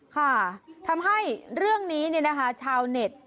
ค่ะทำให้เรื่องนี้ชาวเน็ต